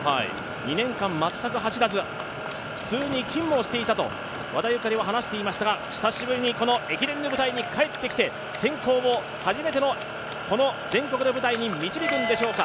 ２年間全く走らず、普通に勤務をしていたと和田優香里は話していましたが久しぶりに駅伝の舞台に帰ってきて、センコーを初めての全国の舞台に導くんでしょうか。